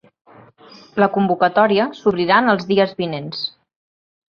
La convocatòria s’obrirà en els dies vinents.